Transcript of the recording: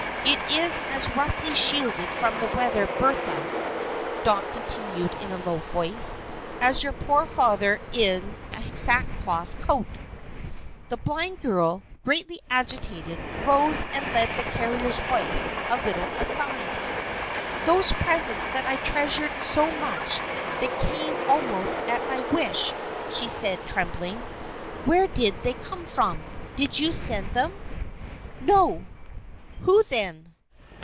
It is as roughly shielded from the weather, Bertha," Dot continued in a low voice, "as your poor father in his sackcloth coat." The blind girl, greatly agitated, rose and led the carrier's wife a little aside. "Those presents that I treasured so much; that came almost at my wish," she said, trembling; "where did they come from? Did you send them?" "No." "Who, then?"